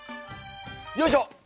よいしょ！